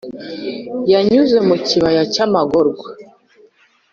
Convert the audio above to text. yanyuze mu kibaya cy'amagorwa,